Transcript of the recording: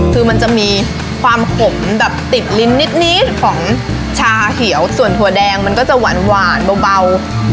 คือมันจะมีความขมแบบติดลิ้นนิดของชาเขียวส่วนถั่วแดงมันก็จะหวานเบา